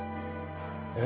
え？